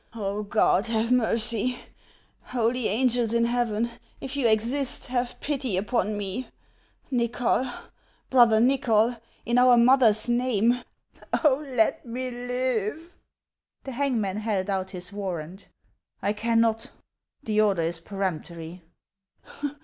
" God have mercy I Holy angels in heaven, if you exist, have pity upon me ! Nychol, brother Xychol, in our mother's name, oh, let me live !" The hangman held out his warrant. " I cannot ; the order is peremptory."